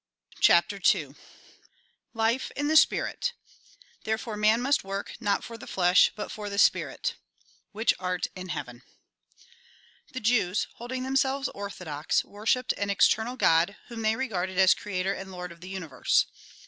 CHAPTEE II LIFE IN THE SPIRIT Therefore man must work, not for the flesh, but for the spirit ("Mbicb art in beavcn") The Jews, holding themselves orthodox, worshipped an external God, whom they regarded as Creator and Lord of the Universe.